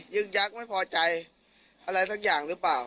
ึกยักษ์ไม่พอใจอะไรสักอย่างหรือเปล่า